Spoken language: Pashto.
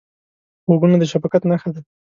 غوږونه د شفقت نښه ده